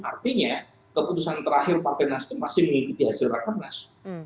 artinya keputusan terakhir partai nasdem masih mengikuti hasil rakernas